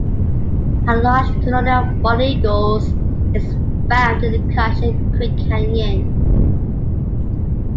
A large colony of bald eagles is found in the Cache Creek canyon.